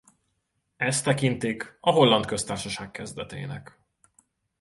Ezt tekintik a Holland Köztársaság kezdetének.